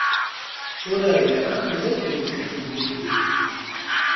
Ur rbiḥen ula d yiwet n temilit.